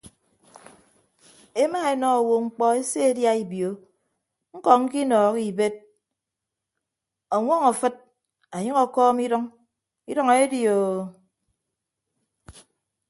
Emaenọ owo mkpọ eseedia ibio ñkọ ñkinọọhọ ibed ọñwọñ afịd ọnyʌñ ọkọọm idʌñ idʌñ eedioo.